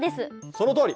そのとおり！